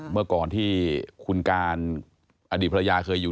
เมื่อก่อนที่คุณการอดีตภรรยาเคยอยู่